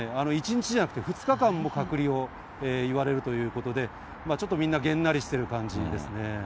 １日じゃなくて２日間も隔離をいわれるということで、ちょっとみんなげんなりしてる感じですね。